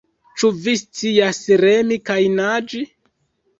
Ĉu vi scias remi kaj naĝi?